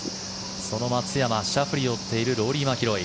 その松山、シャフリーを追っているローリー・マキロイ。